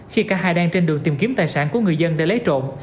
khi cả hai đang trên đường tìm kiếm tài sản của người dân để lấy trộm